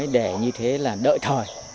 để như thế là đợi thời